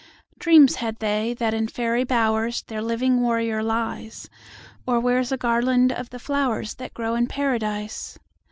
Dreams had they, that in fairy bowersTheir living warrior lies, Or wears a garland of the flowersThat grow in Paradise.